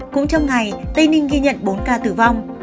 cũng trong ngày tây ninh ghi nhận bốn ca tử vong